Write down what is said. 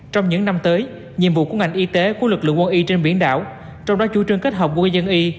trong những năm tới nhiệm vụ của ngành y tế của lực lượng quân y trên biển đảo trong đó chủ trương kết hợp quân dân y